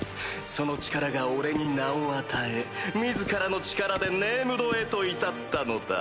その力が俺に名を与え自らの力でネームドへと至ったのだ。